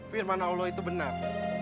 firman allah itu benar